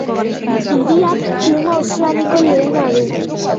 Hiriak klima ozeaniko leuna du.